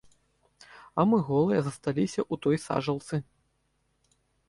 А мы, голыя, засталіся ў той сажалцы!